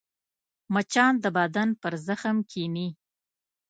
مچان د بدن پر زخم کښېني